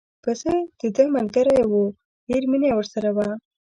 پسه دده ملګری و ډېره مینه یې ورسره وه.